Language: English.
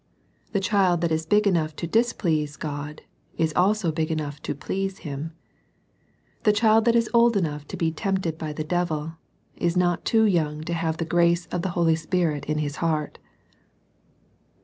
The child that is big enough to displease God, is also big enough to please Him. The child that is old enough to be tempted by the devil, is not too young to have the grace of the Holy Spirit in his heart.